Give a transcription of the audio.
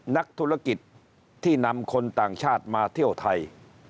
นักธุรกิจที่นำคนต่างชาติมาเที่ยวไทย